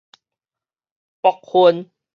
噗薰